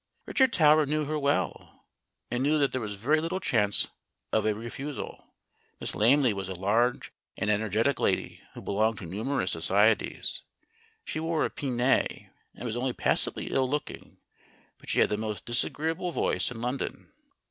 Richard Tower knew her well, and knew that there was very little chance of a refusal. Miss Lamley was a large and energetic lady, who belonged to numerous societies. She wore a pince nez and was only passably ill looking, but she had the most disagreeable voice in London.